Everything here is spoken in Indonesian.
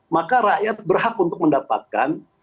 maka rakyat berhak untuk mendapatkan